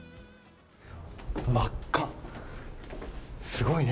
真っ赤、すごいね。